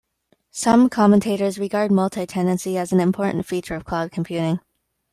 Some commentators regard multitenancy as an important feature of cloud computing.